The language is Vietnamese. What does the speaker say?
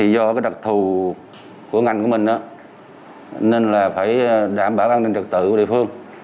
do đặc thù của ngành của mình nên là phải đảm bảo an ninh trật tự của địa phương